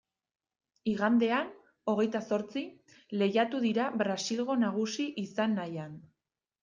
Igandean, hogeita zortzi, lehiatu dira Brasilgo nagusi izan nahian.